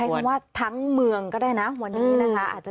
คำว่าทั้งเมืองก็ได้นะวันนี้นะคะ